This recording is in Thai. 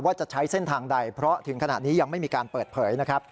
ว่าจะใช้เส้นทางใดเพราะถึงขณะนี้ยังไม่มีการเปิดเผยนะครับ